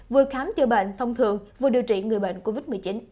vừa khám chữa bệnh thông thường vừa điều trị người bệnh covid một mươi chín